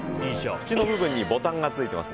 口の部分にボタンがついています。